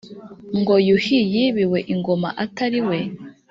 Ngo Yuhi yibiwe ingoma Atari we ?